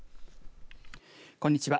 こんにちは。